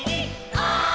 「おい！」